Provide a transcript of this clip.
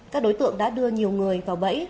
các đối tượng đã đưa nhiều người vào bẫy